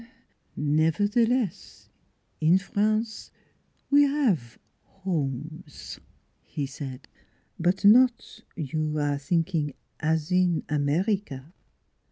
" Nevertheless in France we have homes," he said; "but not you are thinking as in America